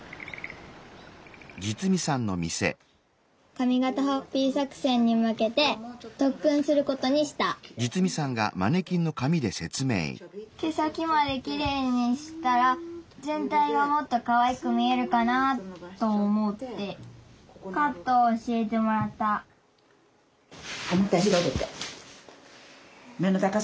髪型ハッピー作戦にむけてとっくんすることにした毛先まできれいにしたらぜんたいがもっとかわいく見えるかなと思ってカットをおしえてもらったおまたひろげて。